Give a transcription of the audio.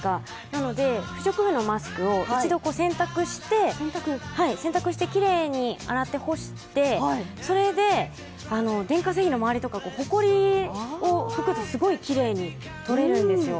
なので、不織布のマスクを一度洗濯してきれいに洗って干して、それで電化製品の周りとか、ほこりを拭くとすごいきれいに、とれるんですよ。